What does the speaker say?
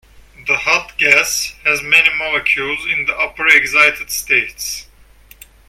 The hot gas has many molecules in the upper excited states.